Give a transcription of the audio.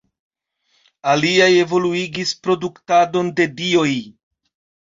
Aliaj evoluigis produktadon de dioj.